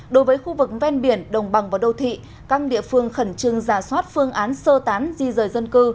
đối với khu vực ven biển đồng bằng và đô thị các địa phương khẩn trương giả soát phương án sơ tán di rời dân cư